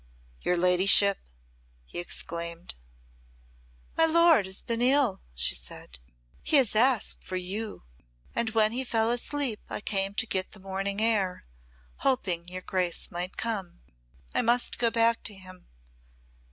"Your ladyship," he exclaimed. "My lord has been ill," she said. "He asked for you, and when he fell asleep I came to get the morning air, hoping your Grace might come. I must go back to him.